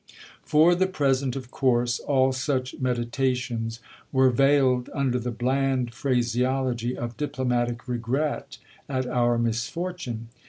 For the present, of course, all such medita tions were veiled under the bland phraseology of diplomatic regret at our misfortune.